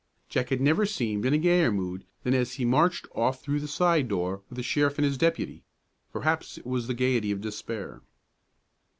Jack had never seemed in a gayer mood than as he marched off through the side door, with the sheriff and his deputy; perhaps it was the gayety of despair.